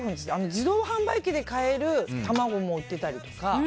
自動販売機で買える卵も売ってたりとか。